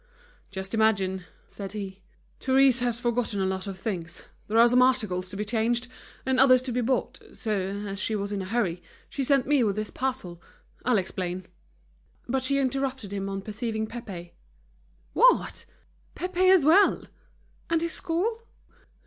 "Just imagine," said he, "Therese has forgotten a lot of things. There are some articles to be changed, and others to be bought. So, as she was in a hurry, she sent me with this parcel. I'll explain—" But she interrupted him on perceiving Pépé, "What; Pépé as well! and his school?"